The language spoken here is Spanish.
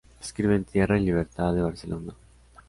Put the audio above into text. Escribe en "Tierra y Libertad" de Barcelona.